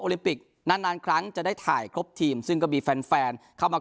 ลิมปิกนานนานครั้งจะได้ถ่ายครบทีมซึ่งก็มีแฟนแฟนเข้ามา